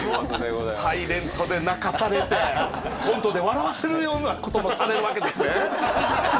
「ｓｉｌｅｎｔ」で泣かされてコントで笑わせるようなこともされるわけですね。